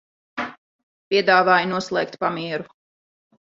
Piedāvāju noslēgt pamieru.